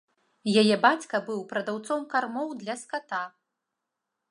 Яе бацька быў прадаўцом кармоў для ската.